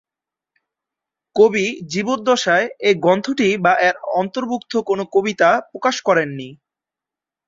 কবি জীবদ্দশায় এ গ্রন্থটি বা এর অন্তর্ভুক্ত কোন কবিতা প্রকাশ করেন নি।